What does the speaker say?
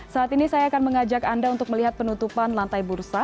saat ini saya akan mengajak anda untuk melihat penutupan lantai bursa